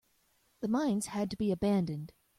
The mines had to be abandoned.